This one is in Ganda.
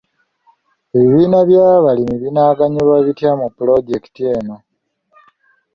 Ebibiina by'abalimi binaaganyulwa bitya mu pulojekiti eno?